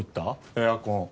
エアコン。